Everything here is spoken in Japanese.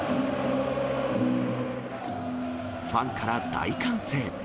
ファンから大歓声。